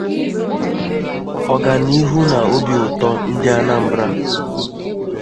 ọganihu na obi ụtọ Ndị Anambra.